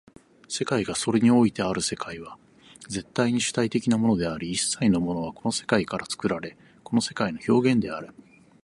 世界がそれにおいてある世界は絶対に主体的なものであり、一切のものはこの世界から作られ、この世界の表現である。